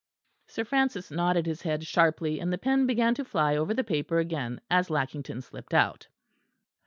Sir Francis nodded his head sharply, and the pen began to fly over the paper again; as Lackington slipped out.